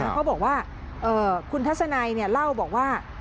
เขาบอกว่าคุณทัศนัยเล่าบอกว่า